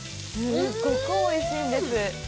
すごくおいしいんです。